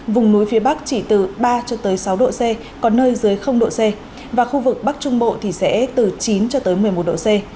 vùng núi phía bắc chỉ từ ba cho tới sáu độ c có nơi dưới độ c và khu vực bắc trung bộ thì sẽ từ chín cho tới một mươi một độ c